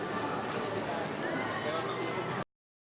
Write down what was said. farudin ulwi surabaya